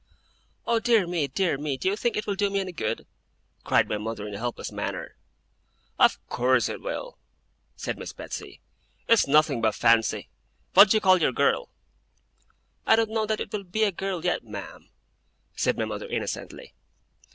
'Oh dear me, dear me, do you think it will do me any good?' cried my mother in a helpless manner. 'Of course it will,' said Miss Betsey. 'It's nothing but fancy. What do you call your girl?' 'I don't know that it will be a girl, yet, ma'am,' said my mother innocently.